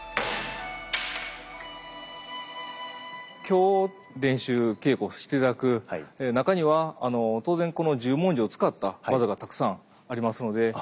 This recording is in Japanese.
今日練習稽古して頂く中には当然この十文字を使った技がたくさんありますので。